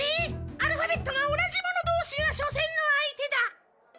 アルファベットが同じ者同士が初戦の相手だ。